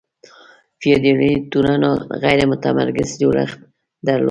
فیوډالي ټولنو غیر متمرکز جوړښت درلود.